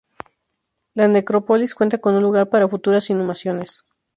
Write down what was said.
La necrópolis cuenta con lugar para futuras inhumaciones.